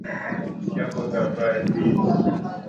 Nyoka hutambaa ardhini